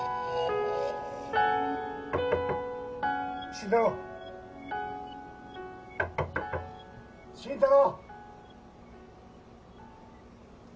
・・・慎太郎・・・・慎太郎！